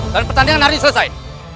dan pertandingan hari ini selesai